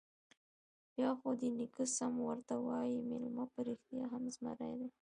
_بيا خو دې نيکه سم ورته وايي، مېلمه په رښتيا هم زمری دی.